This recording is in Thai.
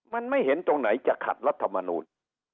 มันไม่เห็นตรงไหนจะขัดรัฐมนูล